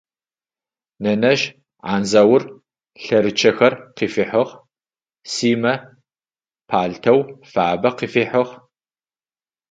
Нэнэжъ Андзаур лъэрычъэхэр къыфихьыгъ, Симэ палътэу фабэ къыфихьыгъ.